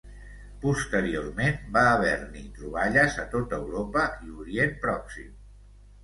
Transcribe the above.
Posteriorment, va haver-n'hi troballes a tot Europa i Orient Pròxim.